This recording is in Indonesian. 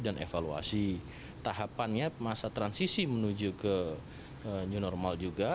dan evaluasi tahapannya masa transisi menuju ke new normal juga